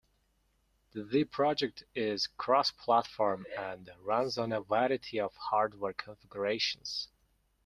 The project is cross-platform, and runs on a variety of hardware configurations.